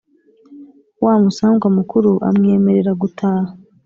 wa musangwa mukuru amwemerera gutaha.